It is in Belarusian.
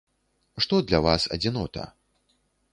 Што для вас адзінота?